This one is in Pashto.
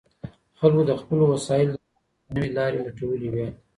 خلګو د خپلو وسایلو د کارولو نوي لاري لټولې وې.